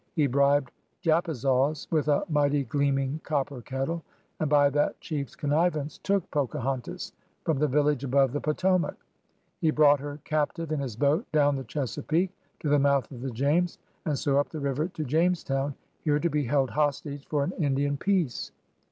He bribed Japazaws with a mighty gleaming copper kettle, and by that chief's connivance took Pocahontas from the village above the Potomac He brought her captive in his boat down the Chesapeake to the mouth of the James and so up the river to Jamestown, here to be held hostage for an Indian peace.